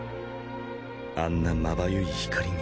あんなまばゆい光に